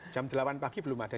jam delapan pagi belum ada